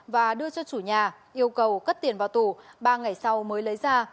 và đưa cho chủ nhà yêu cầu cất tiền vào tủ ba ngày sau mới lấy ra